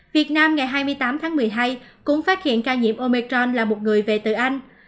việt nam ngày hai mươi tám tháng một mươi hai cũng phát hiện ca nhiễm omecron là một người về từ anh